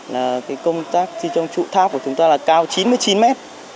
là cái công tác thi trong trụ tháp của chúng ta là cao chín mươi chín mét